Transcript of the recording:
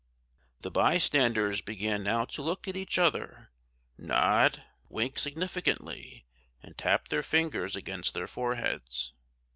The by standers began now to look at each other, nod, wink significantly, and tap their fingers against their foreheads.